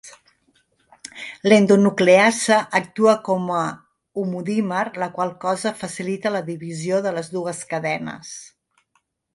L'endonucleasa actua com a homodímer, la qual cosa facilita la divisió de les dues cadenes.